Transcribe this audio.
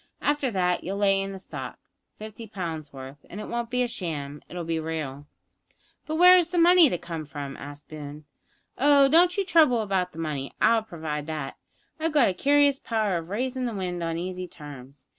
After that you'll lay in the stock fifty pounds' worth; and it won't be sham; it'll be real " "But where is the money to come from?" asked Boone. "Oh, don't you trouble about the money; I'll provide that. I've a curious power of raisin' the wind on easy terms.